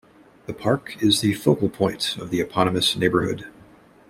The park is the focal point of the eponymous neighborhood.